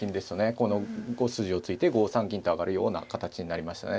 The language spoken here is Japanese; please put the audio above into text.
この５筋を突いて５三銀と上がるような形になりましたね。